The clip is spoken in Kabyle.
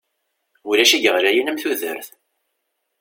Ulac i iɣlayen am tudert.